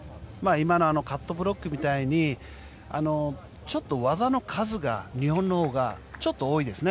今のカットブロックみたいにちょっと技の数が日本のほうがちょっと多いですね。